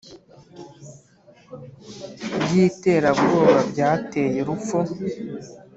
By iterabwoba byateye urupfu